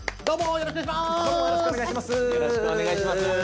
よろしくお願いします